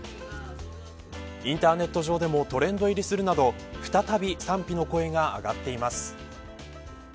インターネット上でもトレンド入りするなど再び賛否の声が上がっています。